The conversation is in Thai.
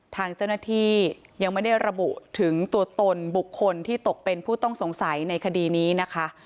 ทางเจ้าหน้าที่ยังไม่ได้ระบุถึงตัวตนบุคคลที่ตกเป็นผู้ต้องสงสัยในคดีนี้นะคะ